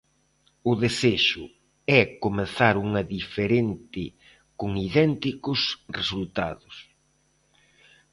O desexo é comezar unha diferente con idénticos resultados.